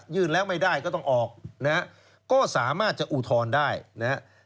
ยื่นแล้วไม่ได้ก็ต้องออกนะฮะก็สามารถจะอุทธรณ์ได้นะครับ